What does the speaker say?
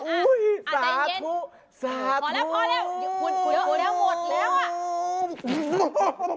อุ๊ยสาธุสาธุ